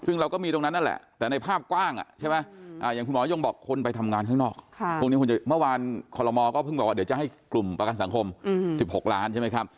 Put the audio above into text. ซึ่งเราก็มีตรงนั้นนั่นแหละแต่ในภาพกว้างใช่ไหมอย่างคุณหมอยงบอกคนไปทำงานข้างนอกพรุ่งนี้เมื่อวานคอลโมก็เพิ่งบอกว่าเดี๋ยวจะให้กลุ่มประกันสังคม๑๖ล้านใช่ไหมครับ